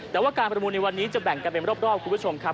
แต่ว่าการประมูลในวันนี้จะแบ่งกันเป็นรอบคุณผู้ชมครับ